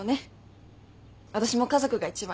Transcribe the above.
私も家族が一番よ。